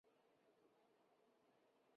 马六甲苏丹王朝至苏门答腊西南部。